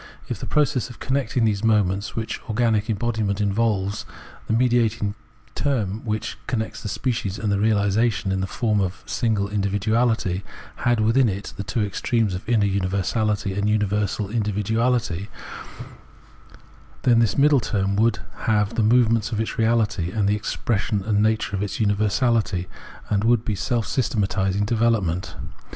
If in the process of connecting the moments which organic embodiment involves, the mediating term, which contains the species and its reahsation in the form of a single individuality, had with in it the two extremes of inner universahty and universal individuahty, then this middle term would have, in the movement of its reahty, the expression and the nature of universality, and would be seK systematising development.